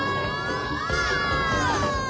うわ！